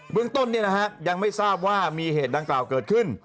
เบื้องต้นเนี่ยนะฮะยังไม่ทราบว่ามีเหตุดังกล่าวเกิดขึ้น